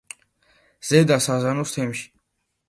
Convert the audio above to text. ზედა საზანოს თემში.